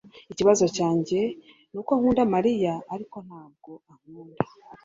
Ikibazo cyanjye nuko nkunda Mariya, ariko ntabwo ankunda.